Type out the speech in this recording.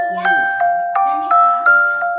ผ่านเถอะนะค่ะ